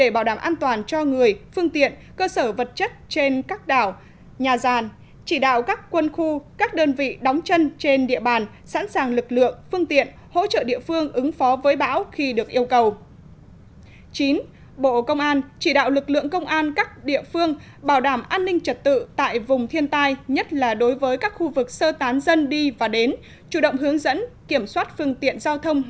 một mươi bộ quốc phòng